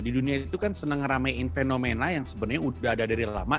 di dunia itu kan seneng ramein fenomena yang sebenarnya udah ada dari lama